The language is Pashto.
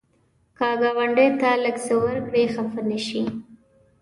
که ګاونډي ته لږ څه ورکړې، خفه نشي